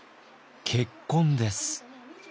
結婚です。